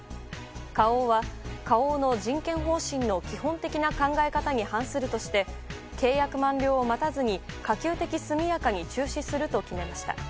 花王は、花王の人権方針の基本的な考え方に反するとして、契約満了を待たずに、可及的速やかに中止すると決めました。